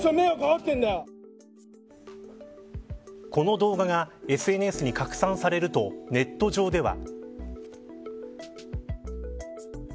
この動画がＳＮＳに拡散されるとネット上では。